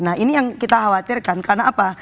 nah ini yang kita khawatirkan karena apa